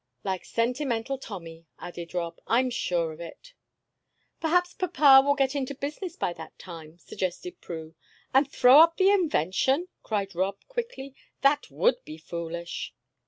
"Like Sentimental Tommy," added Rob. "I'm sure of it." "Perhaps papa will get into business by that time," suggested Prue. "And throw up the invention?" cried Rob, quickly. "That would be foolish!"